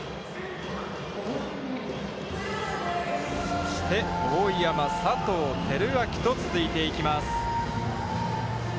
そして大山、佐藤輝明と続いていきます。